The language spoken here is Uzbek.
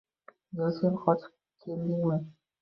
Yo sen qochib keldingmi?